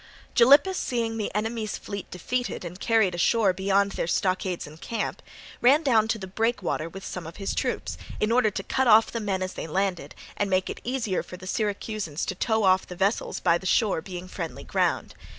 Gylippus seeing the enemy's fleet defeated and carried ashore beyond their stockades and camp, ran down to the breakwater with some of his troops, in order to cut off the men as they landed and make it easier for the Syracusans to tow off the vessels by the shore being friendly ground.